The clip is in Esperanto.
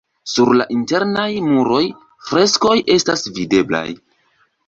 Sur la internaj muroj freskoj estas videblaj.